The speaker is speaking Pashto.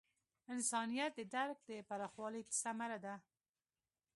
انسانیت د درک د پراخوالي ثمره ده.